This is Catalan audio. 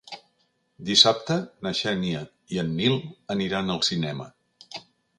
Dissabte na Xènia i en Nil aniran al cinema.